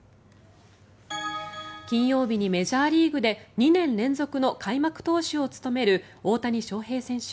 金曜日にメジャーリーグで２年連続の開幕投手を務める大谷翔平選手。